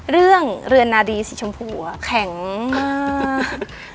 เรื่องเรือนาดีสีชมพูอะแข็งมาก